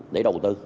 để đầu tư